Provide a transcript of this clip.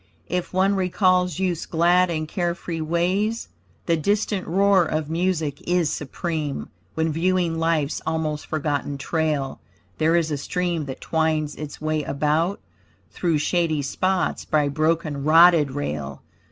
If one recalls youth's glad and care free ways; The distant roar of music is supreme, When viewing life's almost forgotten trail. There is a stream that twines its way about Through shady spots, by broken, rotted rail.